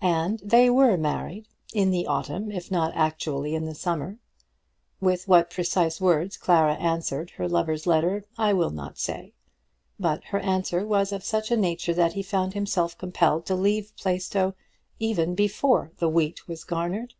And they were married in the autumn, if not actually in the summer. With what precise words Clara answered her lover's letter I will not say; but her answer was of such a nature that he found himself compelled to leave Plaistow, even before the wheat was garnered.